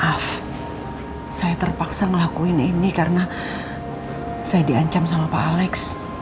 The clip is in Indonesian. maaf saya terpaksa ngelakuin ini karena saya diancam sama pak alex